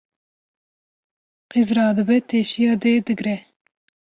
Qîz radibe teşiya dê digre